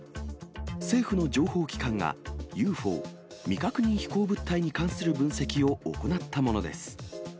政府の情報機関が、ＵＦＯ・未確認飛行物体に関する分析を行ったものです。